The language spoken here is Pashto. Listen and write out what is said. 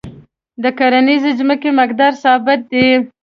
د کرنیزې ځمکې مقدار ثابت دی.